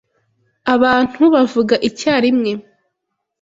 Abantu bavuga icyarimwe.